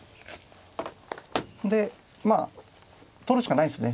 でまあ取るしかないですね。